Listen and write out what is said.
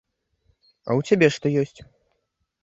А ў цябе што ёсць?